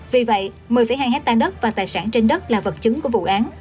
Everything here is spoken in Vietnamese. vì vậy một mươi hai hectare đất và tài sản trên đất là vật chứng của vụ án